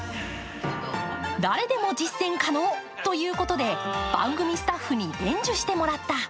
誰でも実践可能ということで番組スタッフに伝授してもらった。